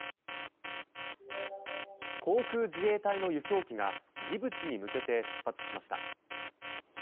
航空自衛隊の輸送機がジブチに向けて出発しました。